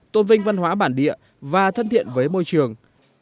tôn vinh văn hóa bản địa và thân thiện với môi trường